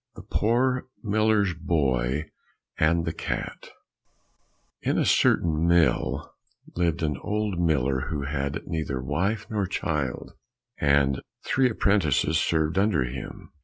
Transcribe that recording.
106 The Poor Miller's Boy and the Cat In a certain mill lived an old miller who had neither wife nor child, and three apprentices served under him.